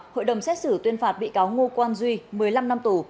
hội đồng xét xử tuyên phạt bị cáo ngô quan duy một mươi năm năm tù